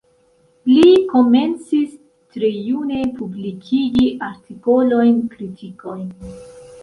Li komencis tre june publikigi artikolojn, kritikojn.